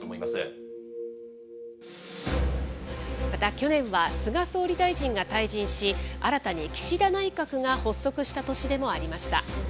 また去年は、菅総理大臣が退陣し、新たに岸田内閣が発足した年でもありました。